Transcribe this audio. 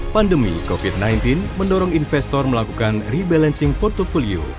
pandemi covid sembilan belas mendorong investor melakukan rebalancing portfolio